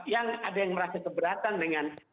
yang ada yang merasa keberatan dengan